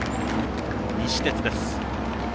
西鉄です。